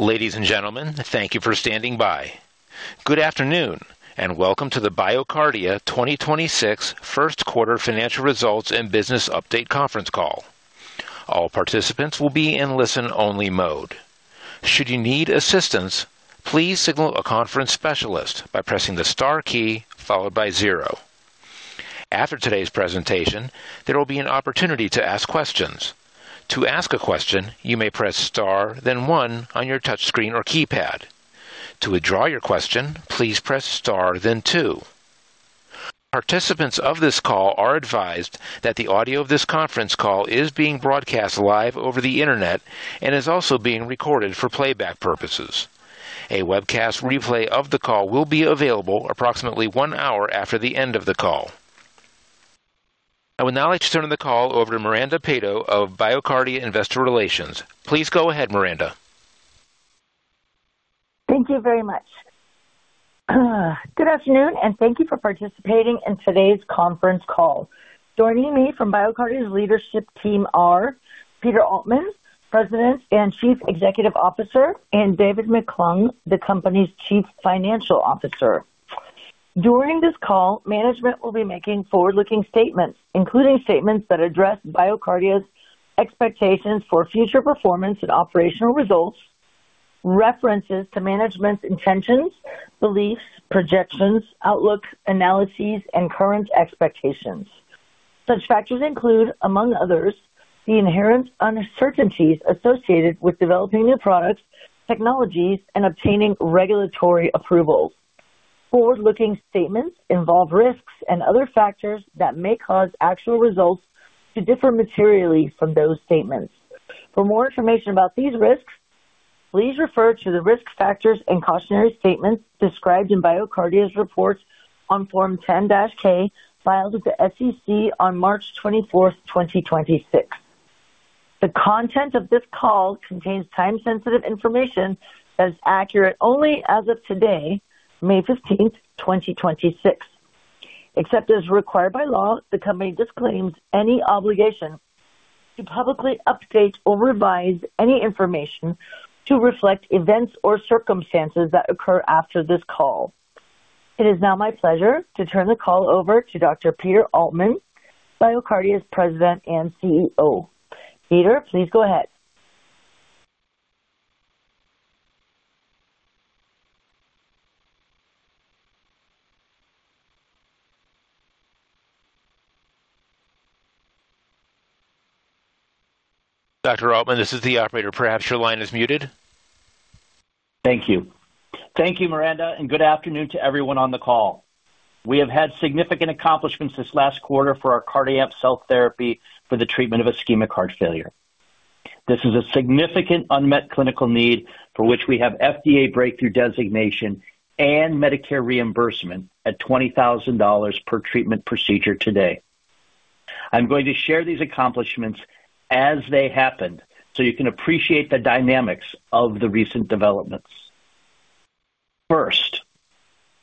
Ladies and gentlemen, thank you for standing by. Good afternoon, and welcome to the BioCardia 2026 first quarter financial results and business update conference call. All participants will be in a listen-only mode. Should you need assistance, please signal a conference specialist by pressing the star key followed by zero. After today's presentation, there will be an opportunity to ask questions. To ask a question, you may press star then one on your touchscreen or keypad. To withdraw your question, please press star then two. Participants of this call are advised that the audio of this conference call is being broadcast live over the internet and is also being recorded for playback purposes. A webcast replay of the call will be available approximately one hour after the end of the call. I would now like to turn the call over to Miranda Peto of BioCardia Investor Relations. Please go ahead, Miranda. Thank you very much. Good afternoon and thank you for participating in today's conference call. Joining me from BioCardia's leadership team are Peter Altman, President and Chief Executive Officer, and David McClung, the company's Chief Financial Officer. During this call, management will be making forward-looking statements, including statements that address BioCardia's expectations for future performance and operational results, references to management's intentions, beliefs, projections, outlooks, analyses, and current expectations. Such factors include, among others, the inherent uncertainties associated with developing new products, technologies, and obtaining regulatory approvals. Forward-looking statements involve risks and other factors that may cause actual results to differ materially from those statements. For more information about these risks, please refer to the risk factors and cautionary statements described in BioCardia's reports on Form 10-K filed with the SEC on March 24th, 2026. The content of this call contains time-sensitive information that is accurate only as of today, May 15th, 2026. Except as required by law, the company disclaims any obligation to publicly update or revise any information to reflect events or circumstances that occur after this call. It is now my pleasure to turn the call over to Dr. Peter Altman, BioCardia's President and CEO. Peter, please go ahead. Dr. Altman, this is the operator. Perhaps your line is muted. Thank you. Thank you, Miranda. Good afternoon to everyone on the call. We have had significant accomplishments this last quarter for our CardiAMP cell therapy for the treatment of ischemic heart failure. This is a significant unmet clinical need for which we have FDA Breakthrough Designation and Medicare reimbursement at $20,000 per treatment procedure today. I'm going to share these accomplishments as they happened. You can appreciate the dynamics of the recent developments. First,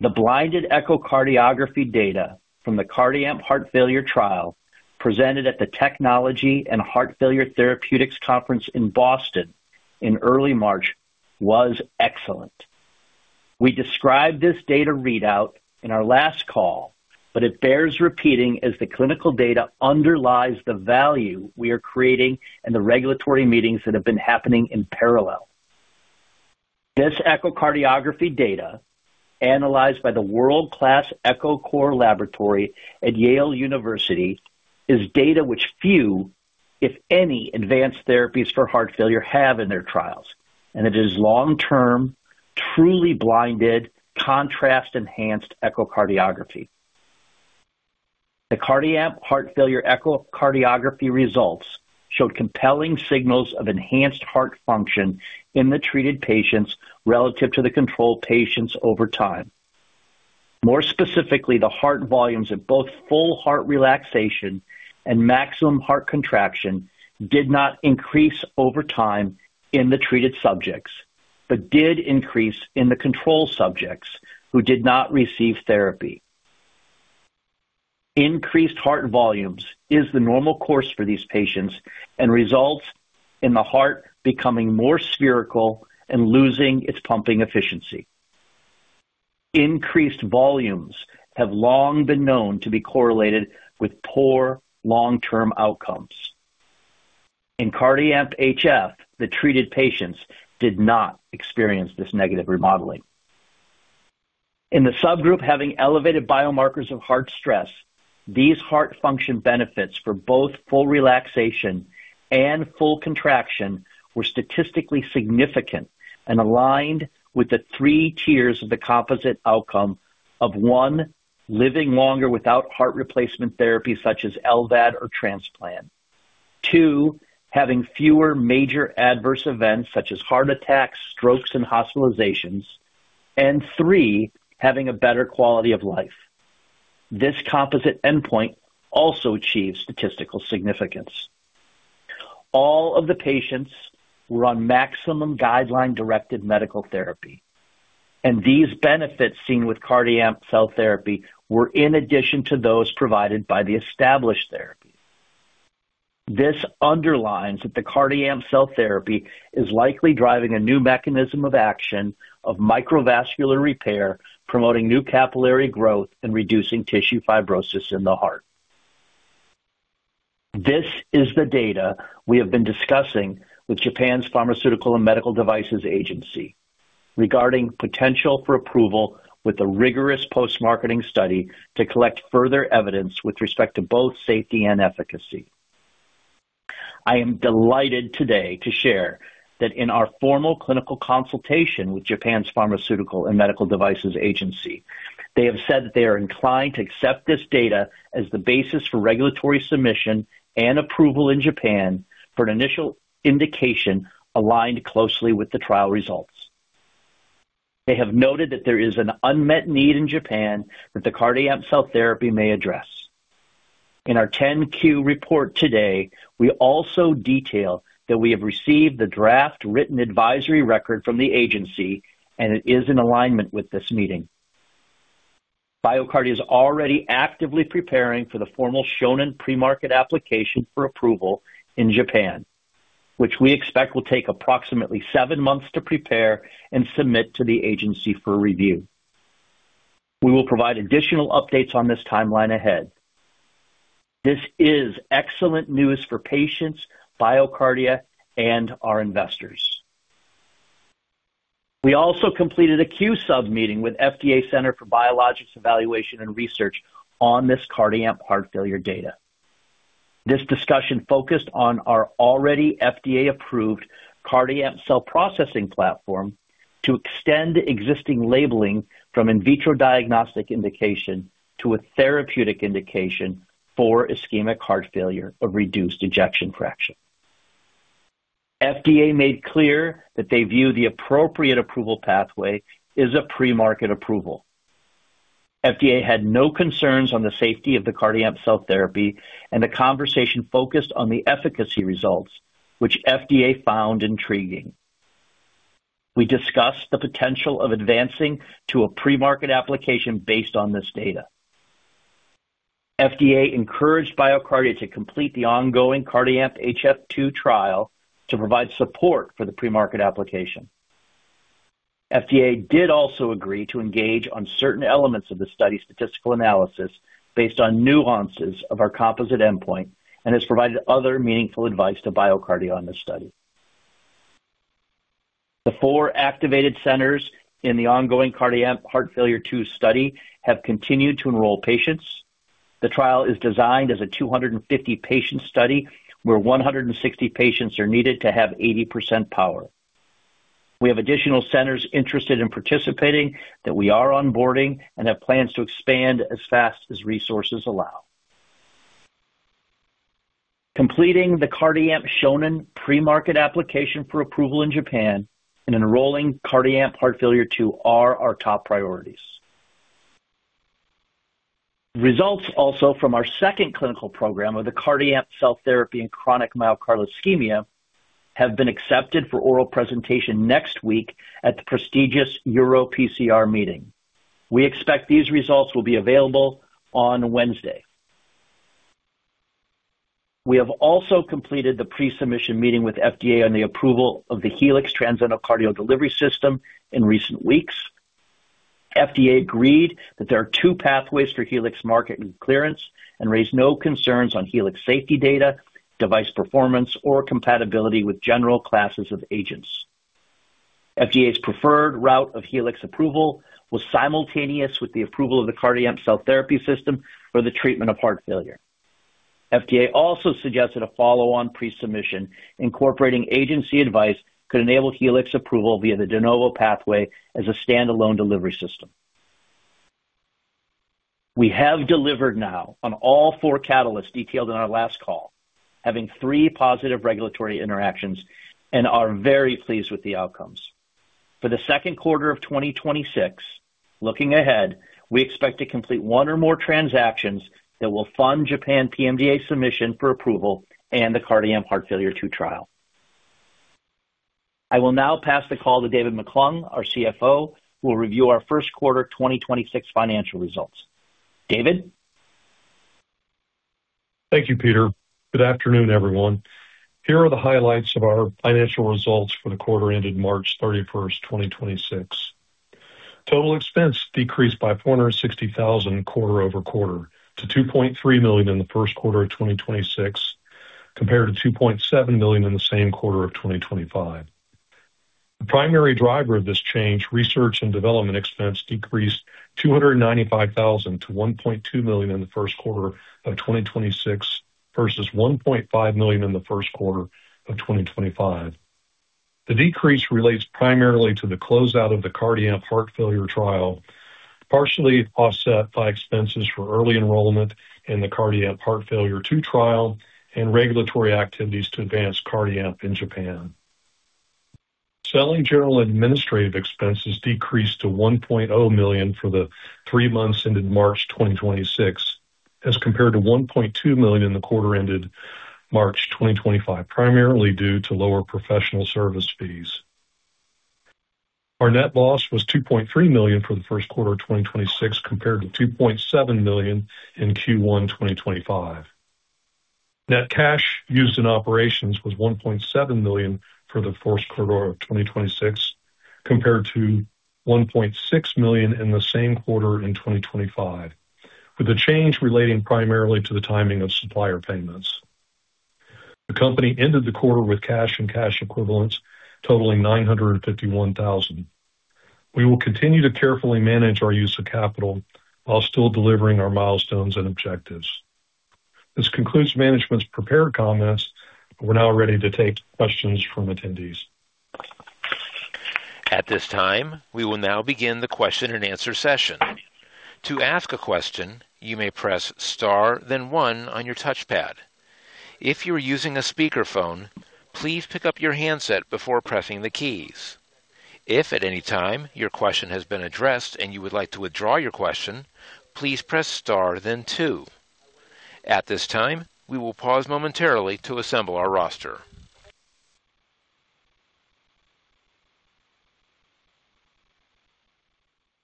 the blinded echocardiography data from the CardiAMP Heart Failure Trial presented at the Technology and Heart Failure Therapeutics Conference in Boston in early March was excellent. We described this data readout in our last call. It bears repeating as the clinical data underlies the value we are creating and the regulatory meetings that have been happening in parallel. This echocardiography data, analyzed by the world-class Echocardiographic Core Laboratory at Yale University, is data which few, if any, advanced therapies for heart failure have in their trials, and it is long-term, truly blinded, contrast-enhanced echocardiography. The CardiAMP Heart Failure echocardiography results showed compelling signals of enhanced heart function in the treated patients relative to the control patients over time. More specifically, the heart volumes at both full heart relaxation and maximum heart contraction did not increase over time in the treated subjects, but did increase in the control subjects who did not receive therapy. Increased heart volumes is the normal course for these patients and results in the heart becoming more spherical and losing its pumping efficiency. Increased volumes have long been known to be correlated with poor long-term outcomes. In CardiAMP HF, the treated patients did not experience this negative remodeling. In the subgroup having elevated biomarkers of heart stress, these heart function benefits for both full relaxation and full contraction were statistically significant and aligned with the three tiers of the composite outcome of, one, living longer without heart replacement therapy such as LVAD or transplant. Two, having fewer major adverse events such as heart attacks, strokes, and hospitalizations. Three, having a better quality of life. This composite endpoint also achieved statistical significance. All of the patients were on maximum guideline-directed medical therapy. These benefits seen with CardiAMP cell therapy were in addition to those provided by the established therapy. This underlines that the CardiAMP cell therapy is likely driving a new mechanism of action of microvascular repair, promoting new capillary growth and reducing tissue fibrosis in the heart. This is the data we have been discussing with Japan's Pharmaceutical and Medical Devices Agency regarding potential for approval with a rigorous post-marketing study to collect further evidence with respect to both safety and efficacy. I am delighted today to share that in our formal clinical consultation with Japan's Pharmaceutical and Medical Devices Agency, they have said that they are inclined to accept this data as the basis for regulatory submission and approval in Japan for an initial indication aligned closely with the trial results. They have noted that there is an unmet need in Japan that the CardiAMP cell therapy may address. In our 10-Q report today, we also detail that we have received the draft written advisory record from the agency. It is in alignment with this meeting. BioCardia is already actively preparing for the formal Shonin pre-market application for approval in Japan, which we expect will take approximately seven months to prepare and submit to the agency for review. We will provide additional updates on this timeline ahead. This is excellent news for patients, BioCardia, and our investors. We also completed a Q-Sub meeting with FDA Center for Biologics Evaluation and Research on this CardiAMP heart failure data. This discussion focused on our already FDA-approved CardiAMP cell processing platform to extend existing labeling from in vitro diagnostic indication to a therapeutic indication for ischemic heart failure of reduced ejection fraction. FDA made clear that they view the appropriate approval pathway is a pre-market approval. FDA had no concerns on the safety of the CardiAMP cell therapy, and the conversation focused on the efficacy results, which FDA found intriguing. We discussed the potential of advancing to a pre-market application based on this data. FDA encouraged BioCardia to complete the ongoing CardiAMP HF II trial to provide support for the pre-market application. FDA did also agree to engage on certain elements of the study's statistical analysis based on nuances of our composite endpoint and has provided other meaningful advice to BioCardia on this study. The four activated centers in the ongoing CardiAMP Heart Failure II study have continued to enroll patients. The trial is designed as a 250 patient study, where 160 patients are needed to have 80% power. We have additional centers interested in participating that we are onboarding and have plans to expand as fast as resources allow. Completing the CardiAMP Shonin pre-market application for approval in Japan and enrolling CardiAMP Heart Failure II are our top priorities. Results also from our second clinical program of the CardiAMP cell therapy in chronic myocardial ischemia have been accepted for oral presentation next week at the prestigious EuroPCR meeting. We expect these results will be available on Wednesday. We have also completed the pre-submission meeting with FDA on the approval of the Helix transendocardial delivery system in recent weeks. FDA agreed that there are two pathways for Helix [market and clearance] and raised no concerns on Helix safety data, device performance, or compatibility with general classes of agents. FDA's preferred route of Helix approval was simultaneous with the approval of the CardiAMP cell therapy system for the treatment of heart failure. FDA also suggested a follow-on pre-submission incorporating agency advice could enable Helix approval via the de novo pathway as a standalone delivery system. We have delivered now on all four catalysts detailed in our last call, having three positive regulatory interactions and are very pleased with the outcomes. For the second quarter of 2026, looking ahead, we expect to complete one or more transactions that will fund Japan PMDA submission for approval and the CardiAMP Heart Failure II trial. I will now pass the call to David McClung, our CFO, who will review our first quarter 2026 financial results. David? Thank you, Peter. Good afternoon, everyone. Here are the highlights of our financial results for the quarter ended March 31st, 2026. Total expense decreased by $460,000 quarter-over-quarter to $2.3 million in the first quarter of 2026 compared to $2.7 million in the same quarter of 2025. The primary driver of this change, research and development expense, decreased $295,000-$1.2 million in the first quarter of 2026 versus $1.5 million in the first quarter of 2025. The decrease relates primarily to the closeout of the CardiAMP Heart Failure Trial, partially offset by expenses for early enrollment in the CardiAMP Heart Failure II Trial and regulatory activities to advance CardiAMP in Japan. Selling general administrative expenses decreased to $1.0 million for the three months ended March 2026 as compared to $1.2 million in the quarter ended March 2025, primarily due to lower professional service fees. Our net loss was $2.3 million for the first quarter of 2026 compared to $2.7 million in Q1 2025. Net cash used in operations was $1.7 million for the first quarter of 2026 compared to $1.6 million in the same quarter in 2025, with the change relating primarily to the timing of supplier payments. The company ended the quarter with cash and cash equivalents totaling $951,000. We will continue to carefully manage our use of capital while still delivering our milestones and objectives. This concludes management's prepared comments. We are now ready to take questions from attendees. At this time, we will now begin the question and answer session. To ask a question, you may press star then one on your touchpad. If you are using a speakerphone, please pick up your handset before pressing the keys. If at any time your question has been addressed and you would like to withdraw your question, please press star then two. At this time, we will pause momentarily to assemble our roster.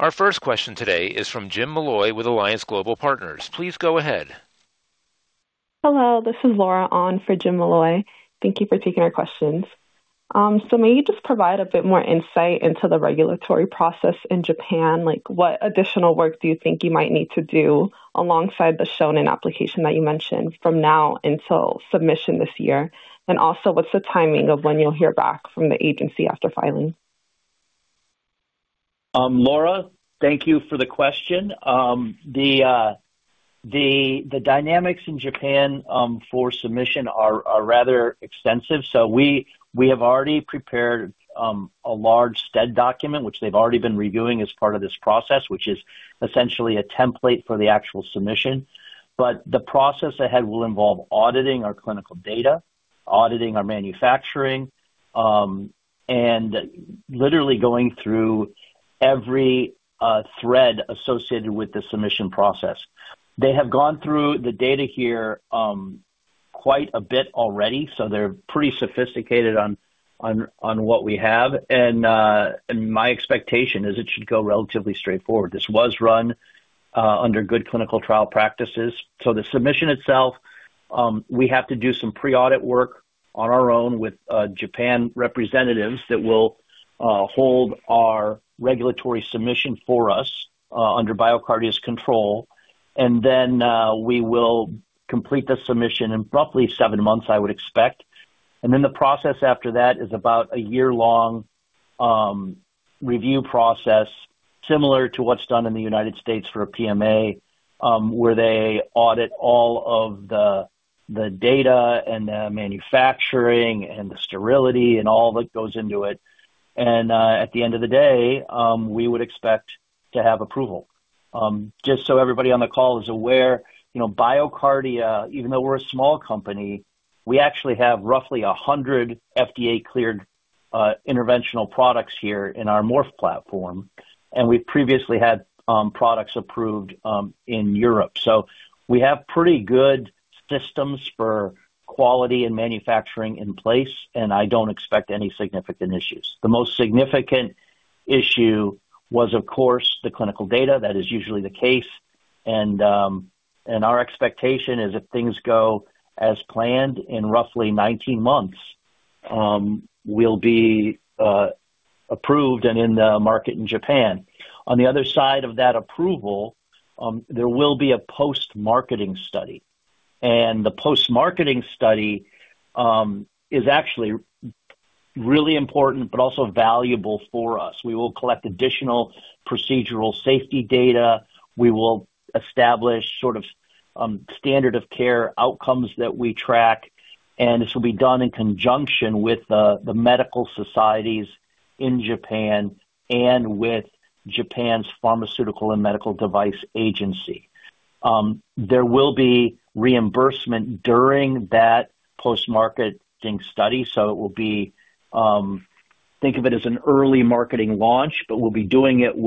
Our first question today is from [Jim] Molloy with Alliance Global Partners. Please go ahead. Hello, this is Laura on for [Jim] Molloy. Thank you for taking our questions. May you just provide a bit more insight into the regulatory process in Japan? What additional work do you think you might need to do alongside the Shonin application that you mentioned from now until submission this year? What's the timing of when you'll hear back from the agency after filing? Laura, thank you for the question. The dynamics in Japan for submission are rather extensive. We have already prepared a large STED document which they've already been reviewing as part of this process, which is essentially a template for the actual submission. The process ahead will involve auditing our clinical data, auditing our manufacturing, and literally going through every thread associated with the submission process. They have gone through the data here quite a bit already, so they're pretty sophisticated on what we have. My expectation is it should go relatively straightforward. This was run under good clinical trial practices. The submission itself, we have to do some pre-audit work on our own with Japan representatives that will hold our regulatory submission for us under BioCardia's control. We will complete the submission in roughly seven months, I would expect. The process after that is about a year-long review process similar to what's done in the U.S. for a PMA, where they audit all of the data and the manufacturing and the sterility and all that goes into it. At the end of the day, we would expect to have approval. Just so everybody on the call is aware, you know, BioCardia, even though we're a small company, we actually have roughly 100 FDA-cleared interventional products here in our Morph platform, and we've previously had products approved in Europe. We have pretty good systems for quality and manufacturing in place, and I don't expect any significant issues. The most significant issue was, of course, the clinical data. That is usually the case. Our expectation is if things go as planned in roughly 19 months, we'll be approved and in the market in Japan. On the other side of that approval, there will be a post-marketing study. The post-marketing study is actually really important but also valuable for us. We will collect additional procedural safety data. We will establish sort of standard of care outcomes that we track, and this will be done in conjunction with the medical societies in Japan and with Japan's Pharmaceuticals and Medical Devices Agency. There will be reimbursement during that post-marketing study, it will be, think of it as an early marketing launch, we'll be doing it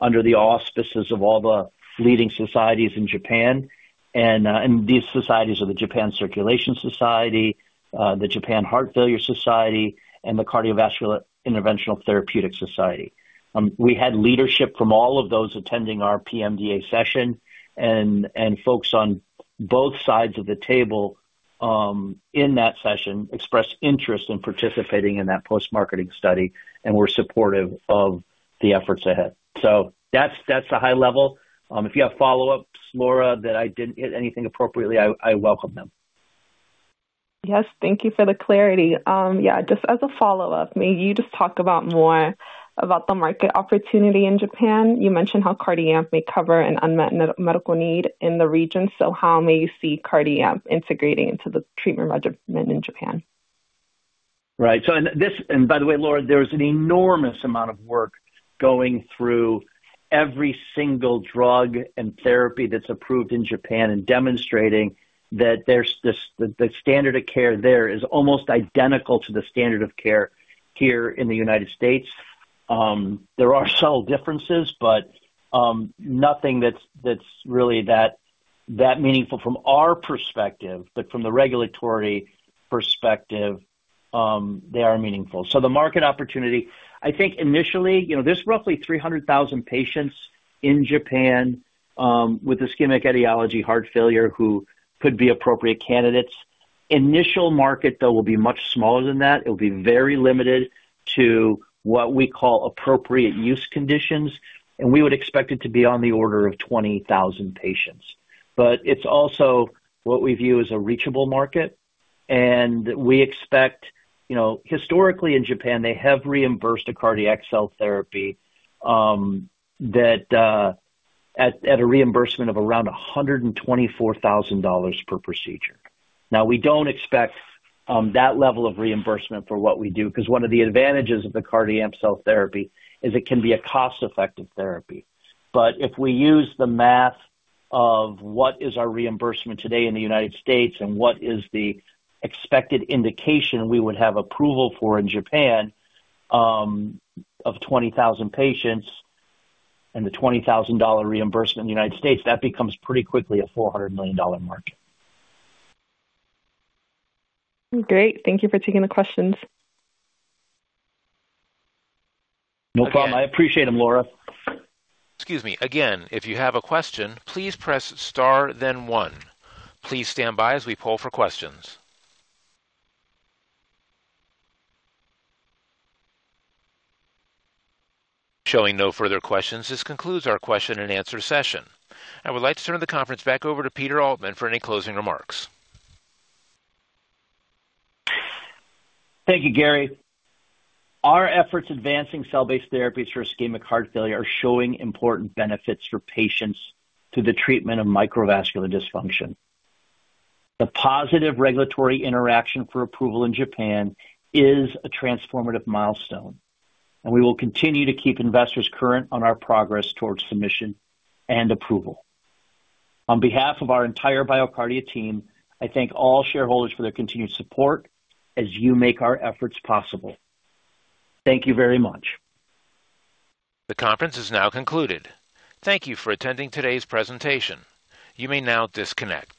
under the auspices of all the leading societies in Japan and these societies are the Japan Circulation Society, the Japan Heart Failure Society, and the Cardiovascular Intervention and Therapeutics. We had leadership from all of those attending our PMDA session and folks on both sides of the table in that session expressed interest in participating in that post-marketing study and were supportive of the efforts ahead. That's the high level. If you have follow-ups, Laura, that I didn't hit anything appropriately, I welcome them. Yes. Thank you for the clarity. Yeah, just as a follow-up, may you just talk about more about the market opportunity in Japan? You mentioned how CardiAMP may cover an unmet medical need in the region. How may you see CardiAMP integrating into the treatment regimen in Japan? Right. By the way, Laura, there's an enormous amount of work going through every single drug and therapy that's approved in Japan and demonstrating that the standard of care there is almost identical to the standard of care here in the United States. There are subtle differences, but nothing that's really meaningful from our perspective, but from the regulatory perspective, they are meaningful. The market opportunity, I think initially, you know, there's roughly 300,000 patients in Japan with ischemic etiology heart failure who could be appropriate candidates. Initial market, though, will be much smaller than that. It will be very limited to what we call appropriate use conditions, and we would expect it to be on the order of 20,000 patients. It's also what we view as a reachable market, and we expect You know, historically in Japan, they have reimbursed a cardiac cell therapy that at a reimbursement of around $124,000 per procedure. Now, we don't expect that level of reimbursement for what we do, 'cause one of the advantages of the CardiAMP cell therapy is it can be a cost-effective therapy. If we use the math of what is our reimbursement today in the U.S. and what is the expected indication we would have approval for in Japan, of 20,000 patients and the $20,000 reimbursement in the U.S., that becomes pretty quickly a $400 million market. Great. Thank you for taking the questions. No problem. I appreciate them, Laura. Excuse me. Again, if you have a question, please press star then one. Please standby as we poll for questions. Showing no further questions, this concludes our question and answer session. I would like to turn the conference back over to Peter Altman for any closing remarks. Thank you, Gary. Our efforts advancing cell-based therapies for ischemic heart failure are showing important benefits for patients through the treatment of microvascular dysfunction. The positive regulatory interaction for approval in Japan is a transformative milestone, and we will continue to keep investors current on our progress towards submission and approval. On behalf of our entire BioCardia team, I thank all shareholders for their continued support as you make our efforts possible. Thank you very much. The conference is now concluded. Thank you for attending today's presentation. You may now disconnect.